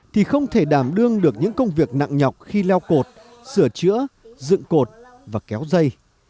thì không thể đảm đương được những công việc nặng nhọc khi leo cột sửa chữa dựng cột và kéo dây